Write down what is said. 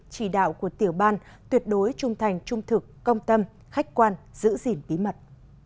chỉ đạo của tiểu ban tuyệt đối trung thành trung thực công tâm khách quan giữ gìn bí mật